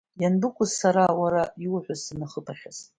Ианбыкәыз сара уара иуҳәоз санахыԥахьаз.